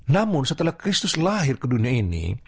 namun setelah kristus lahir ke dunia ini